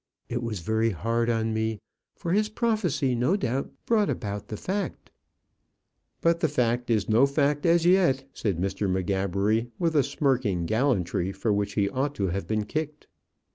It was very hard on me, for his prophecy no doubt brought about the fact." "But the fact is no fact as yet," said Mr. M'Gabbery, with a smirking gallantry for which he ought to have been kicked.